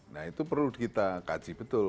nah itu perlu kita kaji betul